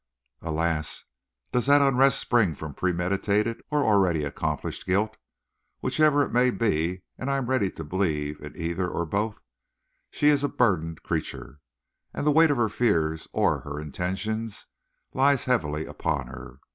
Alas! does that unrest spring from premeditated or already accomplished guilt? Whichever it may be and I am ready to believe in either or both she is a burdened creature, and the weight of her fears or her intentions lies heavily upon her.